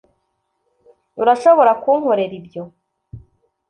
urashobora kunkorera ibyo